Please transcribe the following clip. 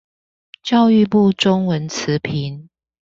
教育部中文詞頻